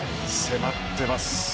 迫ってます。